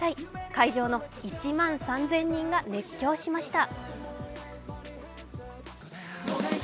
会場の１万３０００人が熱狂しました。